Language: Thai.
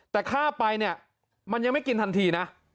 แต่ค่าไปเนี่ยมันยังไม่กินทันทีนะ